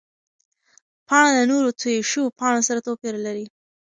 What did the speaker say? پاڼه له نورو تویو شوو پاڼو سره توپیر لري.